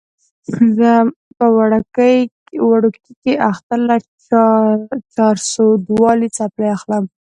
زه به وړوکي اختر له چارسدوالې څپلۍ اخلم